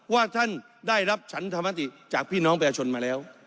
ว่าท่านได้รับฉันธรรมติจากพี่น้องประชาชนมาแล้ว